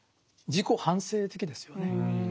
自己反省的ですよね。